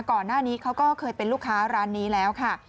ก่อนหน้านี้เขาก็เคยเป็นลูกค้าร้านนี้แล้วค่ะ